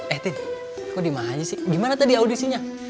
eh tin kok diem aja sih gimana tadi audisinya